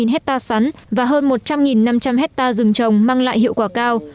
bảy hectare sắn và hơn một trăm linh năm trăm linh hectare rừng trồng mang lại hiệu quả cao